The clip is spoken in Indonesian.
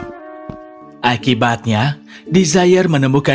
akibatnya desire menemukan penyihir yang tidak dapat disembuhkan oleh obat apapun